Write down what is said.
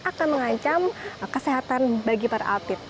akan mengancam kesehatan bagi para atlet